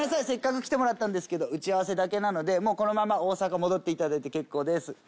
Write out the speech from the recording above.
せっかく来てもらったんですけど打ち合わせだけなのでもうこのまま大阪戻って頂いて結構です。